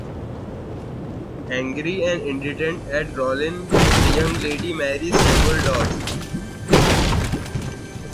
Angry and indignant at Rolin, the young lady marries Samuel Dodge.